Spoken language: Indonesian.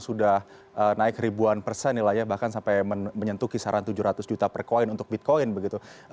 sudah naik ribuan persen nilainya bahkan sampai menyentuh kisaran tujuh ratus juta per koin untuk bitcoin begitu